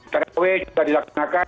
terawih juga dilaksanakan